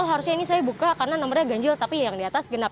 harusnya ini saya buka karena nomornya ganjil tapi yang di atas genap